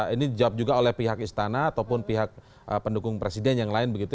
ini dijawab juga oleh pihak istana ataupun pihak pendukung presiden yang lain begitu